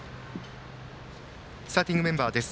スターティングメンバーです。